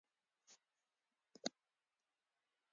غول د شیدو په کارولو سپکېږي.